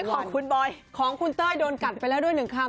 ของคุณบอยของคุณเต้ยโดนกัดไปแล้วด้วยหนึ่งคำ